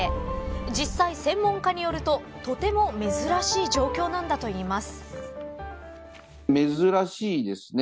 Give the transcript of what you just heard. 実際、専門家によるととても珍しい状況なんだといいます。